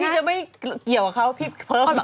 พี่จะไม่เกี่ยวกับเขาพี่เพิ่ม